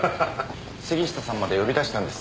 杉下さんまで呼び出したんです。